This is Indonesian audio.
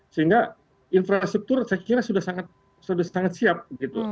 sehingga infrastruktur saya kira sudah sangat siap